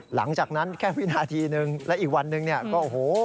หลังจากนั้นแค่วินาทีนึงแล้วอีกวันนึงก็โฮ